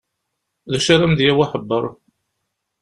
D acu ara m-d-yawi uḥebber?